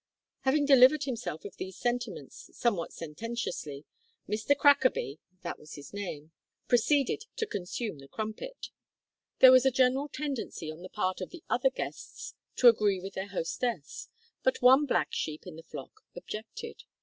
Having delivered himself of these sentiments somewhat sententiously, Mr Crackaby, that was his name, proceeded to consume the crumpet. There was a general tendency on the part of the other guests to agree with their hostess, but one black sheep in the flock objected.